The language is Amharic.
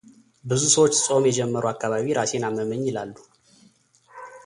ብዙ ሰዎች ጾም የጀመሩ አካባቢ ራሴን አመመኝ ይላሉ።